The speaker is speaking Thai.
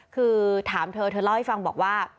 คือถามเธอเธอเล่าให้ฟังบอกว่า